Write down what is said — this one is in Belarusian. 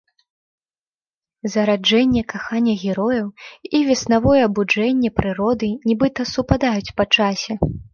Зараджэнне кахання герояў і вясновае абуджэнне прыроды нібыта супадаюць па часе.